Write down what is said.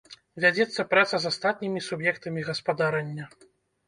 Вядзецца праца з астатнімі суб'ектамі гаспадарання.